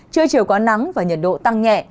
trưa chiều có nắng và nhiệt độ tăng nhẹ